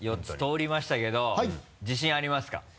４つ通りましたけど自信ありますか？